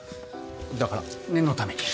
だから念のために。